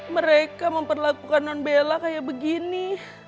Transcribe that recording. mereka memperlakukan non bella kayak begini